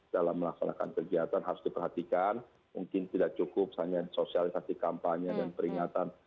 dalam melaksanakan kegiatan harus diperhatikan mungkin tidak cukup hanya sosialisasi kampanye dan peringatan